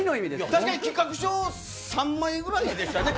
確かに企画書３枚ぐらいでしたね。